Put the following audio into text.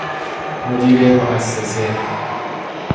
مدیر مؤسسه